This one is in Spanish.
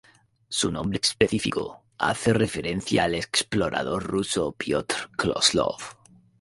Su nombre específico hace referencia al explorador ruso Pyotr Kozlov.